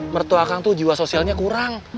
mertua akang tuh jiwa sosialnya kurang